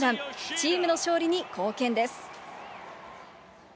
チームの勝利に貢献です。